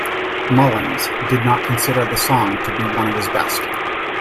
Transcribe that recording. Mullins did not consider the song to be one of his best.